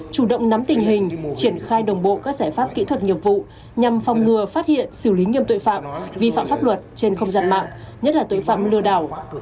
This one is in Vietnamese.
chủ động nắm tình hình triển khai đồng bộ các giải pháp kỹ thuật nghiệp vụ nhằm phòng ngừa phát hiện xử lý nghiêm tội phạm vi phạm pháp luật trên không gian mạng nhất là tội phạm lừa đảo